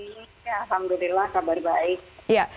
selamat sore mbak fani alhamdulillah kabar baik